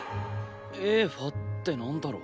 エーファってなんだろう？